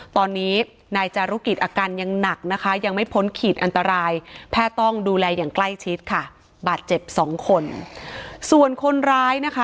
ตอนนี้นายจารุกิจอาการยังหนักนะคะยังไม่พ้นขีดอันตรายแพทย์ต้องดูแลอย่างใกล้ชิดค่ะ